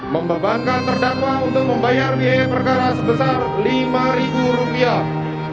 membebankan terdakwa untuk membayar biaya perkara sebesar lima rupiah